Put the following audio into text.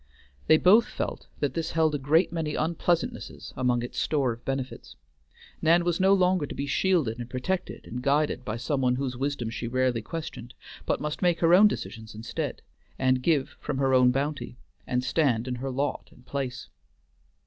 They both felt that this held a great many unpleasantnesses among its store of benefits. Nan was no longer to be shielded and protected and guided by some one whose wisdom she rarely questioned, but must make her own decisions instead, and give from her own bounty, and stand in her lot and place.